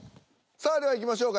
さあではいきましょうか。